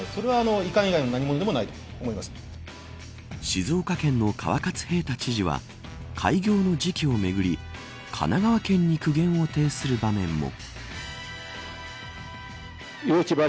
静岡県の川勝平太知事は開業の時期をめぐり神奈川県に苦言を呈する場面も。